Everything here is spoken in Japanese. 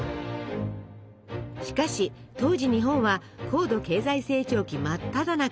しかし当時日本は高度経済成長期真っただ中。